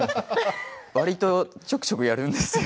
わりとちょくちょくやるんですよ。